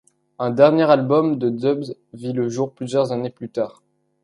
Un dernier album de dubs vit le jour plusieurs années plus tard.